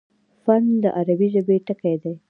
فن: د عربي ژبي ټکی دﺉ.